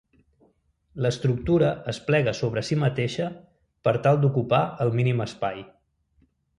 L'estructura es plega sobre si mateixa per tal d'ocupar el mínim espai.